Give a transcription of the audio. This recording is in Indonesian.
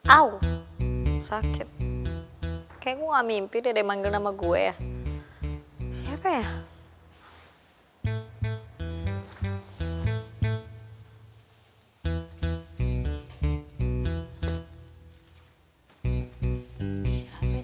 aww sakit kayaknya gua mimpi dia manggil nama gue ya siapa ya